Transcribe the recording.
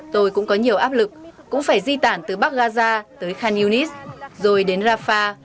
tôi cũng có nhiều áp lực cũng phải di tản từ bắc gaza tới khan yunis rồi đến rafah